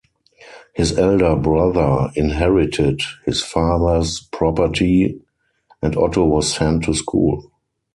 His elder brother inherited his father's property and Otto was sent to school.